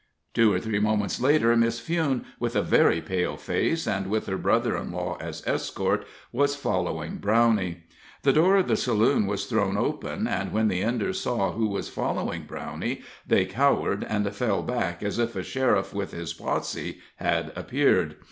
Two or three moments later Miss Fewne, with a very pale face, and with her brother in law as escort, was following Brownie. The door of the saloon was thrown open, and when the Enders saw who was following Brownie they cowered and fell back as if a sheriff with his posse had appeared.